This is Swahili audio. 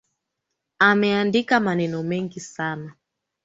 Ameandika maneno mengi sana